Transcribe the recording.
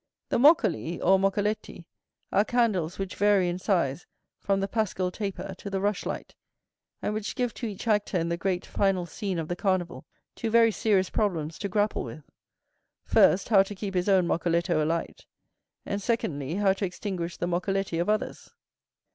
The moccoli, or moccoletti, are candles which vary in size from the pascal taper to the rushlight, and which give to each actor in the great final scene of the Carnival two very serious problems to grapple with,—first, how to keep his own moccoletto alight; and secondly, how to extinguish the moccoletti of others.